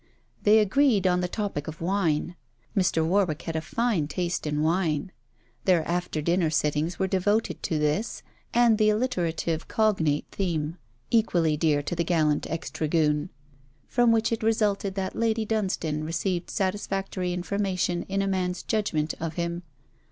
They agreed on the topic of Wine. Mr. Warwick had a fine taste in wine. Their after dinner sittings were devoted to this and the alliterative cognate theme, equally dear to the gallant ex dragoon, from which it resulted that Lady Dunstane received satisfactory information in a man's judgement of him.